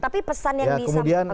tapi pesan yang bisa menyebabkan